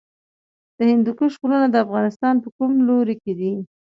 د هندوکش غرونه د افغانستان په کوم لوري کې دي؟